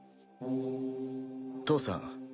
義父さん